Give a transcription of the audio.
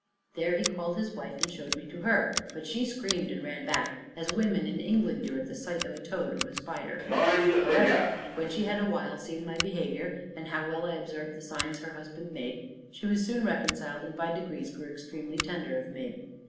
There he called his wife, and showed me to her; but she screamed and ran back, as women in England do at the sight of a toad or a spider. However, when she had awhile seen my behavior, and how well I observed the signs her husband made, she was soon reconciled, and by degrees grew extremely tender of me.